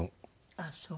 ああそう。